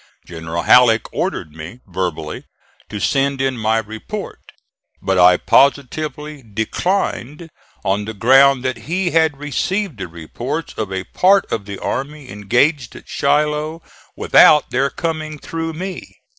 General Halleck ordered me, verbally, to send in my report, but I positively declined on the ground that he had received the reports of a part of the army engaged at Shiloh without their coming through me.